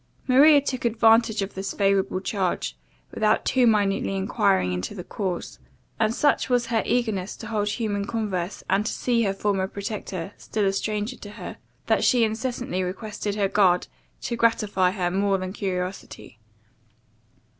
Maria took advantage of this favourable charge, without too minutely enquiring into the cause; and such was her eagerness to hold human converse, and to see her former protector, still a stranger to her, that she incessantly requested her guard to gratify her more than curiosity.